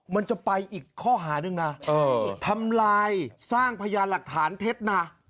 มันจะไปอีกข้อหาหนึ่งนะทำลายสร้างพยานหลักฐานเท็จนะ